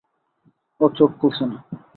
ও চোখ খুলছে না!